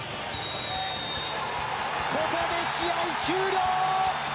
ここで試合終了！